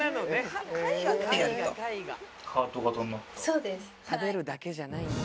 そうです。